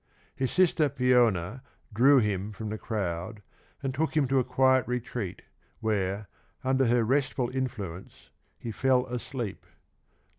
His sister Peona drew him from the crowd and took him to a quiet retreat, where, under her restful influence, he fell asleep (442).